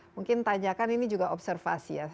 mungkin tanyakan ini juga observasi ya